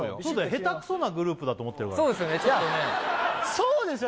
ヘタクソなグループだと思ってるからそうですよねちょっとねそうですよ